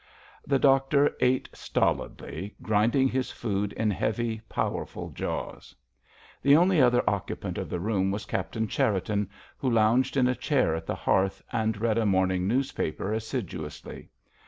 The doctor ate stolidly, grinding his food in heavy, powerful jaws. The only other occupant of the room was Captain Cherriton, who lounged in a chair at the hearth and read a morning newspaper assiduously.